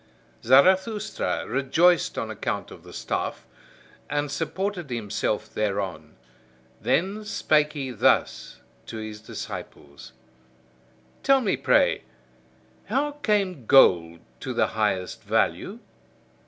Zarathustra rejoiced on account of the staff, and supported himself thereon; then spake he thus to his disciples: Tell me, pray: how came gold to the highest value?